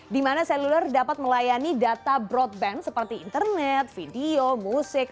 di mana seluler dapat melayani data broadband seperti internet video musik